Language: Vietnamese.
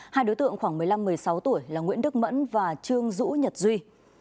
hai đối tượng khoảng một mươi năm một mươi sáu tuổi là nguyễn đức mẫn và trương dũ nhật duy